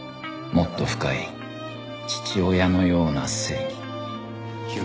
もっと深い父親のような正義